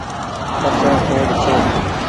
ڪسو ڪوڊ ڇي۔